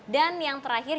dan yang terakhir